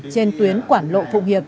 trên tuyến quảng lộn phụng hiệp